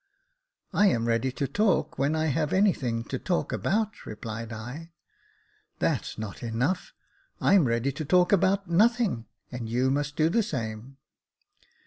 "I am ready to talk when I have anything to talk about," replied I. "That's not enough. I'm ready to talk about nothing, and you must do the same."